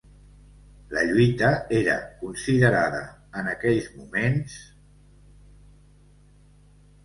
La lluita era considerada, en aquells moments...